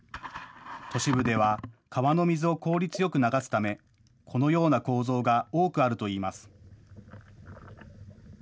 都市部では川の水を効率よく流すため、このような構造が多くあるといいます。